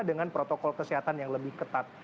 dengan protokol kesehatan yang lebih ketat